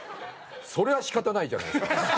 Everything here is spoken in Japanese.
それは仕方ないじゃないですか。